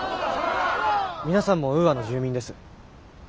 皆さんもウーアの住民です。